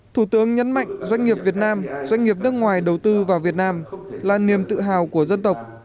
thủ tướng nhấn mạnh doanh nghiệp việt nam doanh nghiệp nước ngoài đầu tư vào việt nam là niềm tự hào của dân tộc